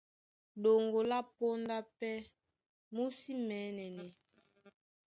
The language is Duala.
Ɗoŋgo lá póndá pɛ́ mú sí mɛ̌nɛnɛ.